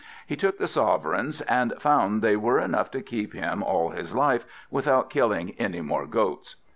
He took the sovereigns, and found they were enough to keep him all his life, without killing any more goats.